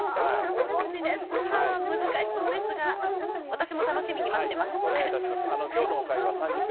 お餅ですか、難しそうですが、私も楽しみに待ってます。